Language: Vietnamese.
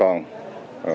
tại các khu vực